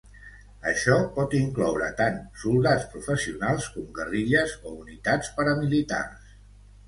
Això pot incloure tant soldats professionals com guerrilles o unitats paramilitars.